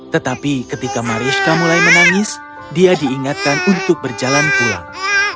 tetapi ketika mariska mulai menangis dia diingatkan untuk berjalan pulang